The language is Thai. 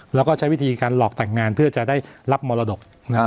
แล้วก็ใช้วิธีการหลอกแต่งงานเพื่อจะได้รับมรดก